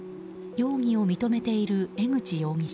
容疑を認めている江口容疑者。